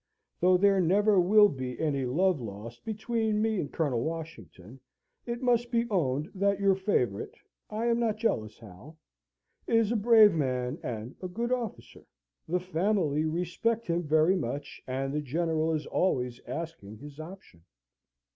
Though there never will be any love lost between me and Colonel Washington, it must be owned that your favourite (I am not jealous, Hal) is a brave man and a good officer. The family respect him very much, and the General is always asking his opinion.